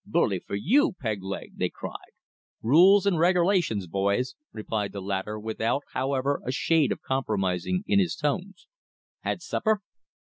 "Bully for you, peg leg!" they cried. "Rules 'n regerlations, boys," replied the latter, without, however, a shade of compromising in his tones. "Had supper?"